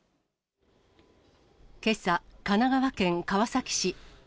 けさ、神奈川県川崎市。